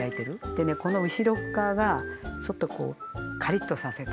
でねこの後ろっかわがちょっとこうカリッとさせたい。